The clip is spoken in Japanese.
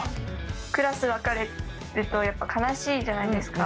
クラス分かれて悲しいじゃないですか。